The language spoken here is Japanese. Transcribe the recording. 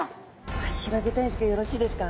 広げたいんですけどよろしいですか？